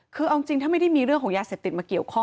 คือเอาจริงถ้าไม่ได้มีเรื่องของยาเสพติดมาเกี่ยวข้อง